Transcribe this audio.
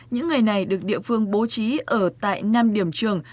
những người này được địa phương bố trí ở tại năm điểm trường